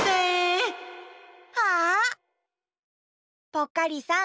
ぽっかりさん